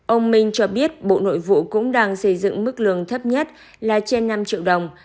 ông minh cho biết bộ nội vụ cũng đang xây dựng mức lương thấp nhất là trên năm triệu đồng